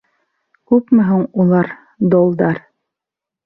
Күпме һуң улар — долдар?